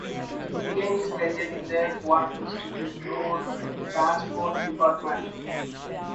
He began his career in the Qubadli District Road Transport Department.